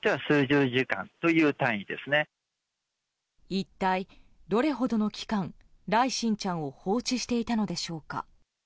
一体どれほどの期間來心ちゃんを放置していたのでしょうか。